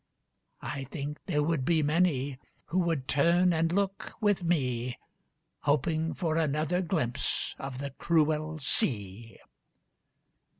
"I think there would be many who would turn and look with me, Hoping for another glimpse of the cruel sea!